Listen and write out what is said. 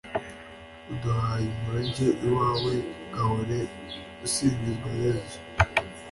uduhe umurage iwawe, gahore usingizwa yezu